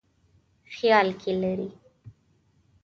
خیال کې لري.